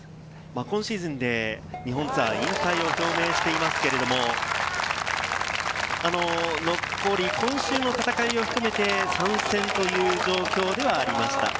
今シーズンで日本ツアー引退を表明していますけれども、今週の戦いを含めて３戦という状況ではありました。